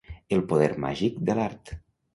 El poder màgic de l'art.